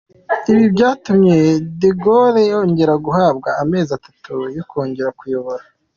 Ibi byatumye De Gaulle yongera guhabwa amezi atatu yo kongera kuyobora.